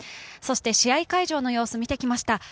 そして試合会場の様子、見てきました。